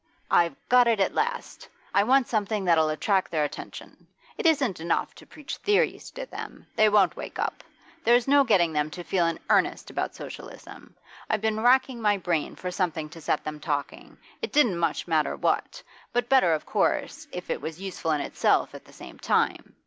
'I've got it at last! I want something that'll attract their attention. It isn't enough to preach theories to them; they won't wake up; there's no getting them to feel in earnest about Socialism. I've been racking my brain for something to set them talking, it didn't much matter what, but better of course if it was useful in itself at the same time.